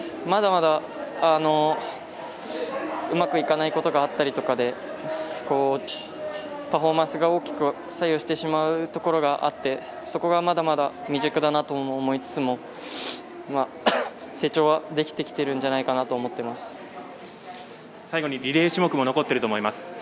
まだまだうまくいかないことがあったりとかでパフォーマンスが大きく左右してしまうところがあってそこがまだまだ未熟だと思いつつも成長はできてきているんじゃ最後にリレー種目も残っていると思います。